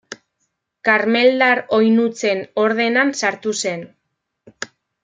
Karmeldar Oinutsen ordenan sartu zen.